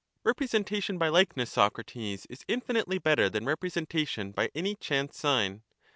Representation by likeness, Socrates, is infinitely better than representation by any chance sign.